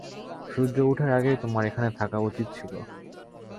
সূর্য ওঠার আগেই তোমার এখানে থাকা উচিত ছিল।